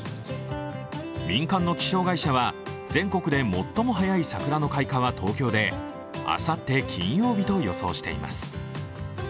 民間の気象会社は全国で最も早い桜の開花は東京であさって金曜日と予想しています。